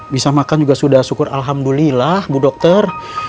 bisa makan juga sudah syukur alhamdulillah bu dokter